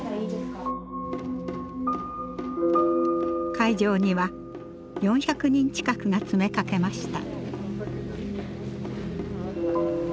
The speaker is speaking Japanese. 会場には４００人近くが詰めかけました。